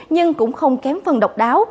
nhưng cũng không kém phần độc đáo